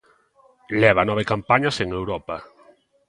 Leva nove campañas en Europa.